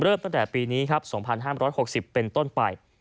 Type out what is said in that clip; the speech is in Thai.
เริ่มตั้งแต่ปีนี้๒๕๖๐เป็นต้นไป